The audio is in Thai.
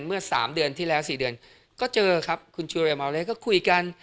เมื่อ๓เดือนที่แล้ว๔เดือนก็เจอครับคุณจูเรเมาเลก็คุยกัน